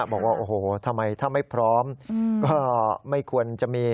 บอกว่าโอ้โหทำไมถ้าไม่พร้อมก็ไม่ควรจะมี